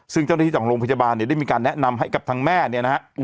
ซึ่งเจ้าหน้าที่จากโรงพยาบาลเนี่ยได้มีการแนะนำให้กับทางแม่เนี่ยนะฮะ